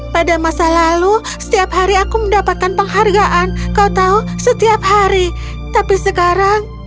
pada masa lalu setiap hari aku mendapatkan penghargaan kau tahu setiap hari tapi sekarang